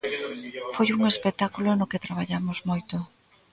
Foi un espectáculo no que traballamos moito.